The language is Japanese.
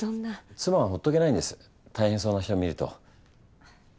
妻はほっとけないんです大変そうな人見ると。